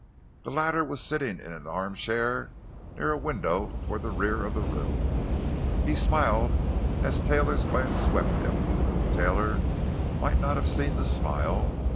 The latter was sitting in an armchair near a window toward the rear of the room. He smiled as Taylor's glance swept him, but Taylor might not have seen the smile.